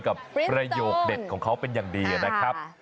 ประโยคเด็ดของเขาเป็นอย่างดีนะครับ